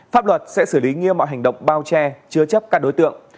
pháp luật sẽ xử lý nghiêm mọi hành động bao che chứa chấp các đối tượng